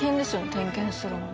点検するのね。